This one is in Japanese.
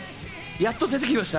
やっと出てきました？